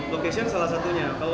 location salah satunya